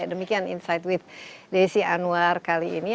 demikian insight with desi anwar kali ini